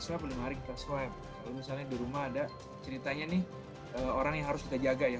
swab lima hari kita swab kalau misalnya di rumah ada ceritanya nih orang yang harus kita jaga ya